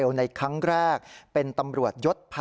อยู่ในช่วงประเด็นสำคัญเลยนะครับ